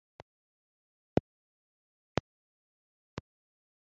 Uwo muzungu yaramfashije cyane